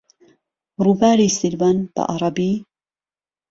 رووباری سیروان بەعەرەبی